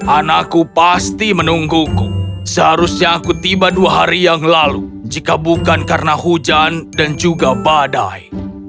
anakku pasti menungguku seharusnya aku tiba dua hari yang lalu jika bukan karena hujan dan juga badai